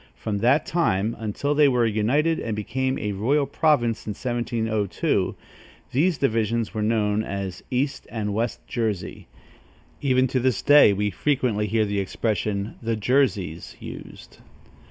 From that time, until they were united and became a royal province in 1702, these divisions were known as East and West Jersey. Even to this day, we frequently hear the expression, "The Jerseys," used.